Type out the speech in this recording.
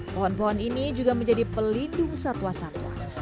pohon pohon ini juga menjadi pelindung satwa satwa